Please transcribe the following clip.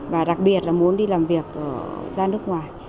và đặc biệt là muốn đi làm việc ra nước ngoài